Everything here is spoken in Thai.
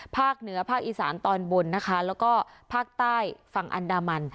ภาคเหนือภาคอีสานตอนบนนะคะแล้วก็ภาคใต้ฝั่งอันดามัน